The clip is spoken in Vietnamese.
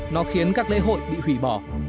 nó khiến các lễ hội bị hủy bỏ